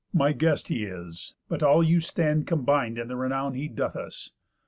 My guest he is, but all you stand combin'd In the renown he doth us.